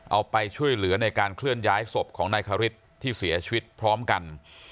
เอาไปช่วยเหลือในการเคลื่อนย้ายศพของนายคาริสที่เสียชีวิตพร้อมกัน